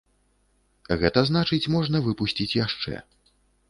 Гэта значыць, можна выпусціць яшчэ.